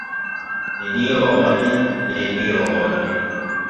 Nenion, nenion!